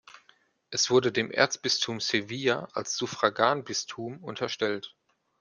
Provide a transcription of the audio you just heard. Es wurde dem Erzbistum Sevilla als Suffraganbistum unterstellt.